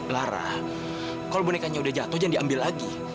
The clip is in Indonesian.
lara kalau bonekanya udah jatuh jangan diambil lagi